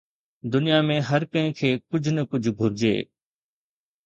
دنيا ۾ هر ڪنهن کي ڪجهه نه ڪجهه گهرجي.